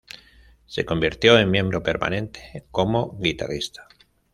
Se convirtió en miembro permanente como guitarrista.